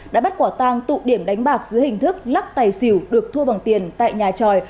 đã bắt quả tang tụ điểm đánh bạc dưới hình thức lắc tài xỉu được thua bằng tiền tại nhà tròi